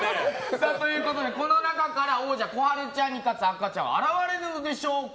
この中から王者こはるちゃんに勝つ赤ちゃんは現れるのでしょうか。